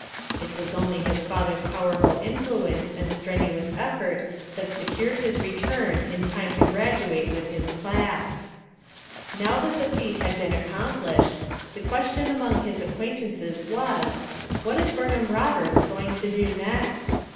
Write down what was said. It was only his father's powerful influence and strenuous effort that se cured his return in time to graduate with his class. Now that the feat had been accomplished, the question among his acquaintances was : What is Burnham Eoberts going to do next?